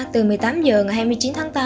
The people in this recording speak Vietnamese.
từ một mươi tám h ngày hai mươi chín tháng tám